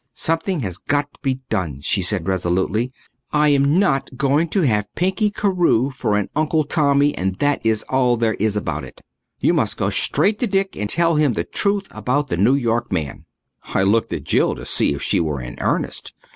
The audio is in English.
"Something has got to be done," she said resolutely. "I am not going to have Pinky Carewe for an Uncle Tommy and that is all there is about it. You must go straight to Dick and tell him the truth about the New York man." I looked at Jill to see if she were in earnest.